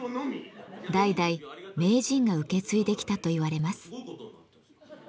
代々名人が受け継いできたと言われます。